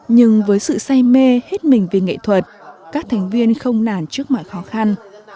nhưng với sự say mê hết mình vì nghệ thuật các thành viên không nản trước mọi khó khăn